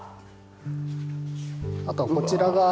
あとはこちらが。